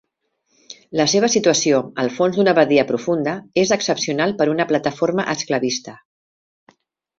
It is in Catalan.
La seva situació, al fons d'una badia profunda, és excepcional per una plataforma esclavista.